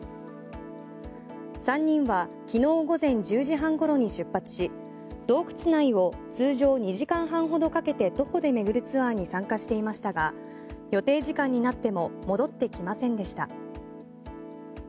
３人は昨日午前１０時半ごろに出発し洞窟内を通常２時間半ほどかけて徒歩で巡るツアーに参加していましたが予定時間になっても戻ってきませんでした。